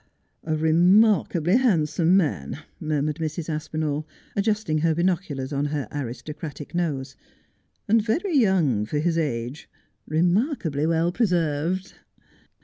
'A remarkably handsome man,' murmured Mrs. Aspinall, ad justing her binoculars on her aristocratic nose, ' and very young for his age — remarkably well preserved.'